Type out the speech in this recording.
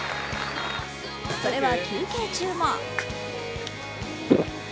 それは休憩中も。